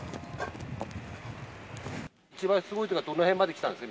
一番すごいときはどの辺まで来たんですか？